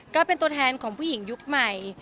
ก็เป็นตัวแทนของผู้หญิงยุคใหม่